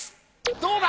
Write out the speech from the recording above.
どうだ！？